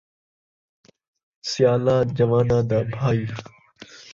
سیالا ، جؤاناں دا بھئی